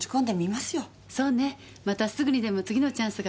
またすぐにでも次のチャンスが巡ってくるわ。